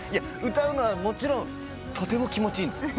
歌うのはもちろんとても気持ちいいんです。